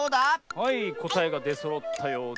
⁉はいこたえがでそろったようで。